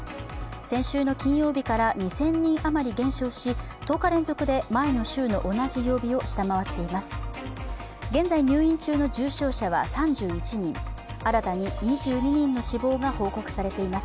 先週の金曜日から２０００人余り減少し１０日連続で前の週の同じ曜日を下回っています。